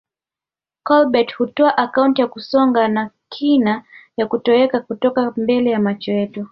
Kolbert hutoa akaunti ya kusonga na kina ya kutoweka kutokea mbele ya macho yetu